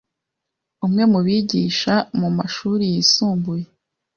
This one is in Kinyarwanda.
Umwe mu bigisha mu mashuri yisumbuye